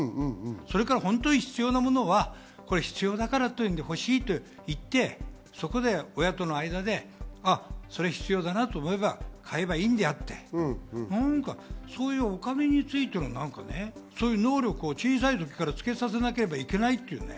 本当に必要なものは必要だから欲しいと言ってそこで親との間で、それは必要だなと思えば買えばいいのであって、お金についての能力を小さい時からつけさせなければいけないっていうね。